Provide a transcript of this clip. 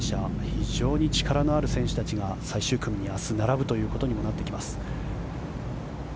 非常に力のある選手たちが最終組に明日並ぶことになってきます。